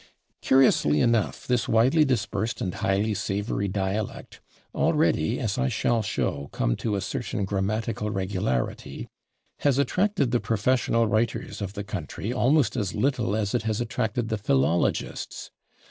Curiously enough, this widely dispersed and highly savory dialect already, as I shall show, come to a certain grammatical regularity has attracted the professional writers of the country almost as little as it has attracted the philologists.